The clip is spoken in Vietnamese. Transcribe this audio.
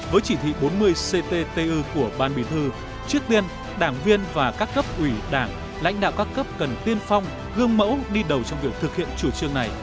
với chỉ thị bốn mươi cttu của ban bì thư trước tiên đảng viên và các cấp ủy đảng lãnh đạo các cấp cần tiên phong gương mẫu đi đầu trong việc thực hiện chủ trương này